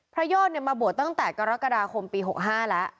พระยอดมาบวกตั้งแต่กรกฎาคมปี้๕ละ